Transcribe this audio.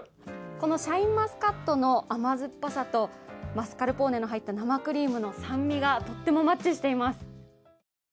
このシャインマスカットの甘酸っぱさとマスカルポーネの入った生クリームの酸味がとってもマッチしています。